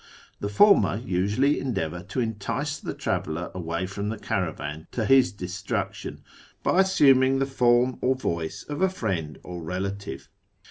The former usually endeavour to entice the traveller away from the caravan to his destruction by assuming the form or voice of a friend or relative.